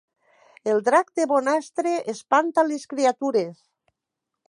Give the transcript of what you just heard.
El drac de Bonastre espanta les criatures